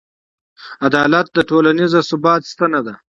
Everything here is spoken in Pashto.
عدالت د ټولنیز ثبات ستنه ده.